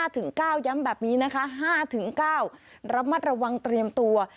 ย้ำแบบนี้นะคะ๕๙ระมัดระวังเตรียมตัว